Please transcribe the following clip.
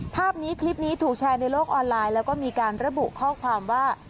ภาพนี้คลิปนี้ถูกแชร์ในโลกออนไลน์แล้วก็มีการระบุข้อความว่า